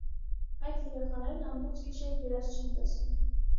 Այդ երեխաներն ամբողջ գիշեր երազ չեն տեսնում։